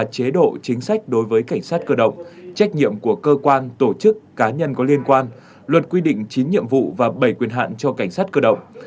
luật cảnh sát cơ động năm hai nghìn hai mươi hai là chế độ chính sách đối với cảnh sát cơ động trách nhiệm của cơ quan tổ chức cá nhân có liên quan luật quy định chín nhiệm vụ và bảy quyền hạn cho cảnh sát cơ động